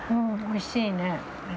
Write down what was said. おいしい。